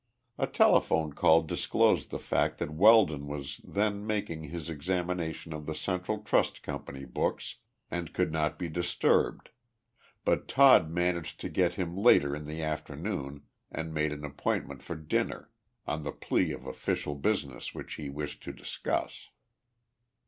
A telephone call disclosed the fact that Weldon was then making his examination of the Central Trust Company books and could not be disturbed, but Todd managed to get him later in the afternoon and made an appointment for dinner, on the plea of official business which he wished to discuss.